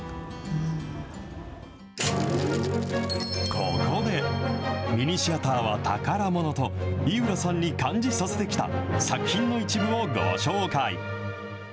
ここで、ミニシアターは宝ものと、井浦さんに感じさせてきた作品の一部をご紹介。